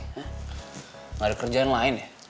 nggak ada kerjaan lain ya